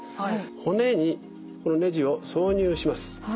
骨にこのねじを挿入します。